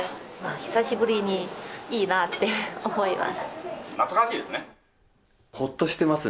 久しぶりにいいなって思います。